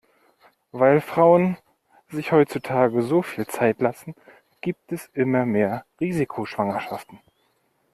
Weil Frauen sich heutzutage so viel Zeit lassen, gibt es immer mehr Risikoschwangerschaften.